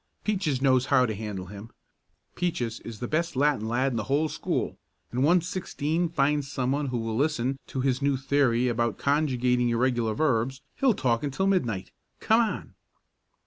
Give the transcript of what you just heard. Peaches knows how to handle him. Peaches is the best Latin lad in the whole school, and once Sixteen finds some one who will listen to his new theory about conjugating irregular verbs, he'll talk until midnight. Come on!"